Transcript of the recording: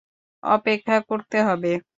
অপেক্ষা করতে হবে।